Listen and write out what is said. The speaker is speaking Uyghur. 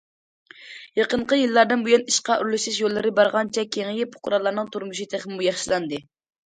يېقىنقى يىللاردىن بۇيان، ئىشقا ئورۇنلىشىش يوللىرى بارغانچە كېڭىيىپ، پۇقرالارنىڭ تۇرمۇشى تېخىمۇ ياخشىلاندى.